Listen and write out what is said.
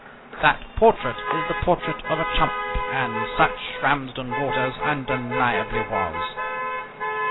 That portrait is the portrait of a chump, and such Ramsden Waters undeniably was.